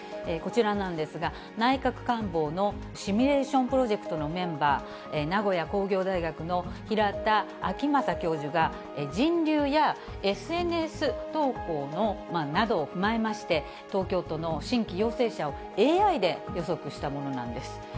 こちらなんですが、内閣官房のシミュレーションプロジェクトのメンバー、名古屋工業大学の平田晃正教授が、人流やＳＮＳ投稿などを踏まえまして、東京都の新規陽性者をＡＩで予測したものなんです。